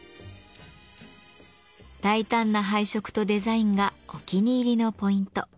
大胆な配色とデザインがお気に入りのポイント。